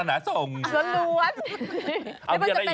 นะฮะ